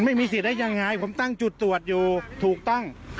ไม่มีสิทธิ์ได้ยังไงผมตั้งจุดตรวจอยู่ถูกต้อง